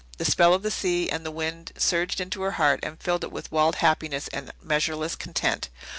The spell of the sea and the wind surged into her heart and filled it with wild happiness and measureless content.